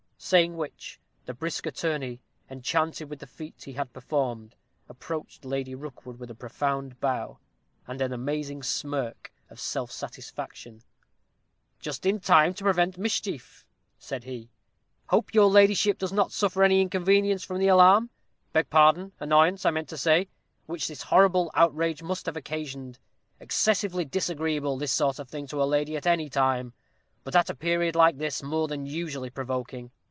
Saying which, the brisk attorney, enchanted with the feat he had performed, approached Lady Rookwood with a profound bow, and an amazing smirk of self satisfaction. "Just in time to prevent mischief," said he; "hope your ladyship does not suffer any inconvenience from the alarm beg pardon, annoyance I meant to say which this horrible outrage must have occasioned; excessively disagreeable this sort of thing to a lady at any time, but at a period like this more than usually provoking.